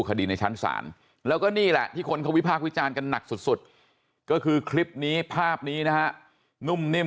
คดีในชั้นศาลแล้วก็นี่แหละที่คนเขาวิพากษ์วิจารณ์กันหนักสุดก็คือคลิปนี้ภาพนี้นะฮะนุ่มนิ่ม